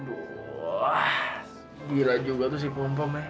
aduh gila juga tuh si pompom ya